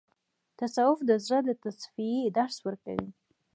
تصوف د زړه د تصفیې درس ورکوي.